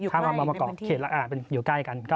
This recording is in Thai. ข้างบำวะกอกอยู่ใกล้กัน